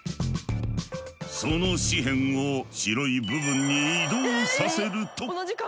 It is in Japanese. その紙片を白い部分に移動させると。